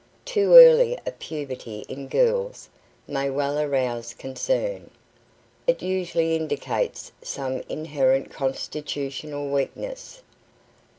Too early a puberty in girls may well arouse concern. It usually indicates some inherent constitutional weakness.